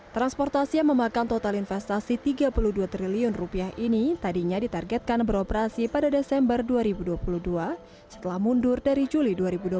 transportasi yang memakan total investasi rp tiga puluh dua triliun ini tadinya ditargetkan beroperasi pada desember dua ribu dua puluh dua setelah mundur dari juli dua ribu dua puluh